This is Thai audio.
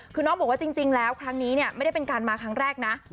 คือน้องบอกว่าจริงแล้วครั้งนี้เนี่ยไม่ได้เป็นการมาครั้งแรกนะ